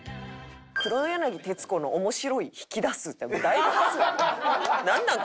「黒柳徹子の“面白い”引き出す」ってだいぶ。